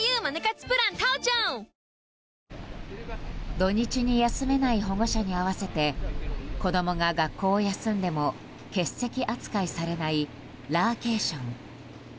土日に休めない保護者に合わせて子供が学校を休んでも欠席扱いされないラーケーション。